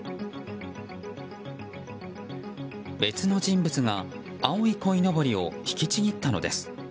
別の人物が青いこいのぼりを引きちぎったのです。